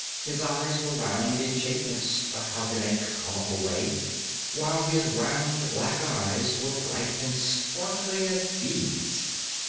His ears were round in shape and stuck out in a comical way, while his round, black eyes were bright and sparkling as beads.